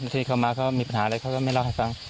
ที่เขามาเขามีปัญหาอะไรเขาก็ไม่เล่าให้ฟัง